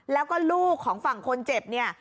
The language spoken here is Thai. แล้วก็ลูกของฝั่งคนเจ็บเนี่ย